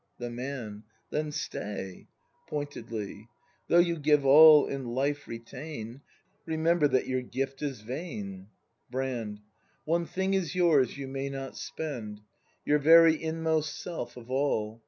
The Man. Then stay! [Pointedly .] "Though you give all and life retain. Remember, that your gift is vain." Brand. One thing is yours you may not spend. Your very inmost Self of all.